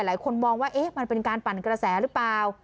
หลายคนมองว่ามันเป็นการปั่นกระแสหรือเปล่า